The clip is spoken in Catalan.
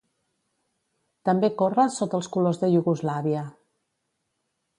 També córrer sota els colors de Iugoslàvia.